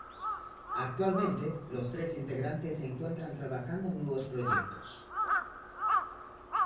Actualmente, los tres integrantes se encuentran trabajando en nuevos proyectos.